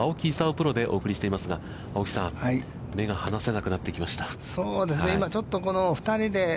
プロでお送りしていますが、青木さん、目が離せなくなってきました。